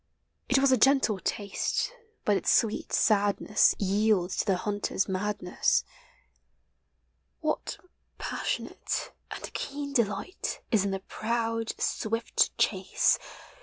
It was a gentle taste, but its sweet sadness Yields to the hunter's madness. THE SEASONS. 153 What passionate And keen delight is in the proud swift chase!